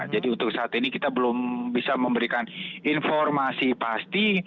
jadi untuk saat ini kita belum bisa memberikan informasi pasti